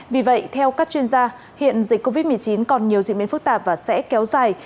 vì vậy theo các chuyên gia hiện dịch covid một mươi chín còn nhiều diễn biến phức tạp và sẽ kéo dài